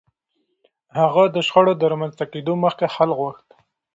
هغه د شخړو د رامنځته کېدو مخکې حل غوښت.